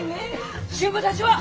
信吾たちは？